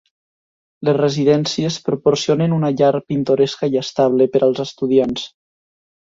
Les residències proporcionen una llar pintoresca i estable per als estudiants.